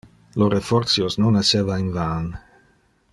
Lor effortios non esseva in van.